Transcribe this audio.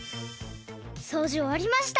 そうじおわりました。